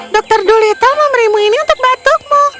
dokter dulita memberimu ini untuk batukmu